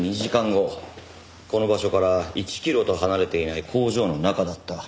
この場所から１キロと離れていない工場の中だった。